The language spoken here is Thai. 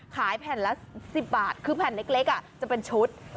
ขายแผ่นละ๑๐บาทคือแผ่นเล็กจะเป็นชุด